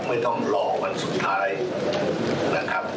ไม่ต้องรอวันสุดท้ายนะครับ